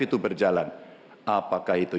itu berjalan apakah itu